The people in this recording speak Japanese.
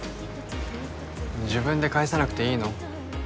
自分で返さなくていいの？